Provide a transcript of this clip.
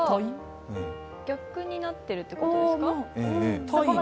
逆になってるということですか？